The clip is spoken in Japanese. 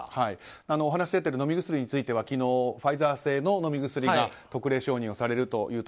お話が出ている飲み薬については昨日、ファイザー製の飲み薬が特例承認されると。